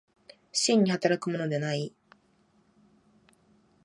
真に働くものではない。